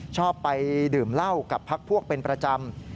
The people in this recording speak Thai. ชอบไปดื่มเหล้ากับพักพวกเป็นประจำ